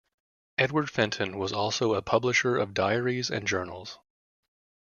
Edward Fenton was also a publisher of diaries and journals.